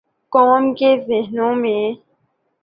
قوم کے ذہنوں میں۔